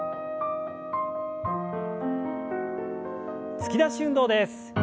突き出し運動です。